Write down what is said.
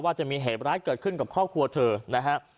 จะมีเหตุร้ายเกิดขึ้นกับครอบครัวเธอนะฮะ